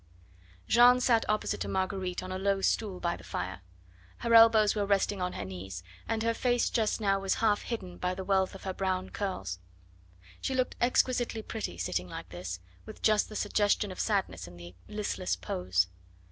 Jeanne sat opposite to Marguerite on a low stool by the fire. Her elbows were resting on her knees, and her face just now was half hidden by the wealth of her brown curls. She looked exquisitely pretty sitting like this, with just the suggestion of sadness in the listless pose.